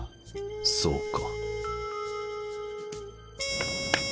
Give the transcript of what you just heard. そうか。